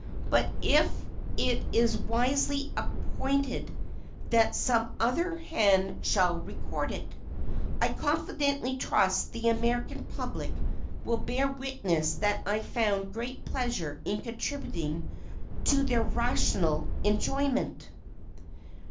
But if it is wisely appointed that some other hand shall record it, I confidently trust that the American public will bear witness that I found great pleasure in contributing to their rational enjoyment.